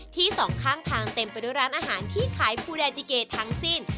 สองข้างทางเต็มไปด้วยร้านอาหารที่ขายฟูแดจิเกทั้งสิ้น